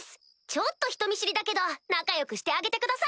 ちょっと人見知りだけど仲良くしてあげてください！